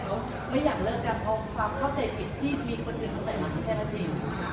เพราะว่าไม่อยากเลิกกันเพราะความเข้าใจผิดที่มีคนอื่นเขาใส่หลังแค่นาที